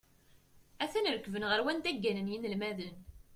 A-t-an rekben ɣer wanda gganen yinelmaden.